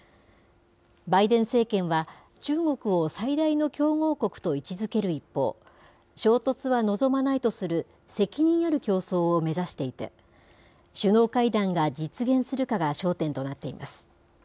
バイデン政権は、中国を最大の競合国と位置づける一方、衝突は望まないとする責任ある競争を目指していて、首脳会談が実現するかが焦点となっています。